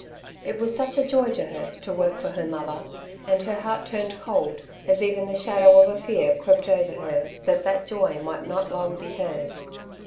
It was such a joy to her to work for her mother, and her heart turned cold as even the shadow of a fear crept over her that that joy might not long be hers.